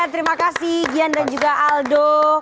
terima kasih gian dan juga aldo